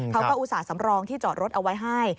อุตส่าห์สำรองที่จอดรถเอาไว้ให้